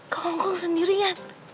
ke hongkong sendirian